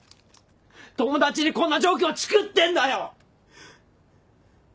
友達にこんな状況チクってんだよ！